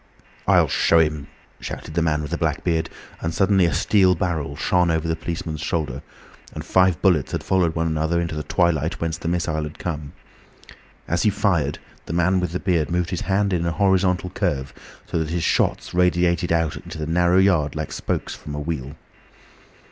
"I'll show him," shouted the man with the black beard, and suddenly a steel barrel shone over the policeman's shoulder, and five bullets had followed one another into the twilight whence the missile had come. As he fired, the man with the beard moved his hand in a horizontal curve, so that his shots radiated out into the narrow yard like spokes from a wheel.